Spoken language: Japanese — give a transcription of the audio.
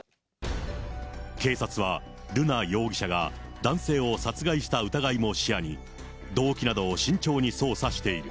警察は瑠奈容疑者が男性を殺害した疑いも視野に、動機などを慎重に捜査している。